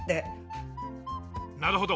なるほど！